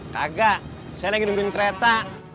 kagak saya lagi nungguin kereta